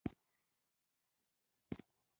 ازادي راډیو د بهرنۍ اړیکې حالت ته رسېدلي پام کړی.